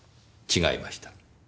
違いました。